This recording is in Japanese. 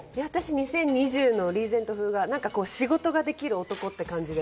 ２０２０のリーゼント風が仕事ができる男っていう感じで。